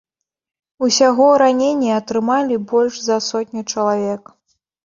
Усяго раненні атрымалі больш за сотню чалавек.